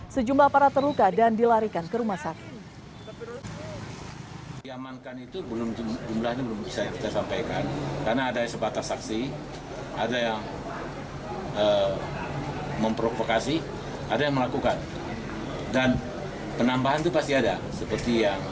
sejumlah para terluka dan dilarikan ke rumah sakit